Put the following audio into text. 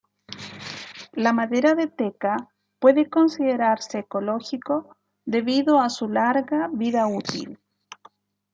La madera de teca puede considerarse ecológico debido a su larga vida útil.